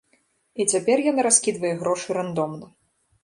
І цяпер яна раскідвае грошы рандомна.